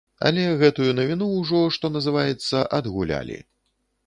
Але гэтую навіну ўжо, што называецца, адгулялі.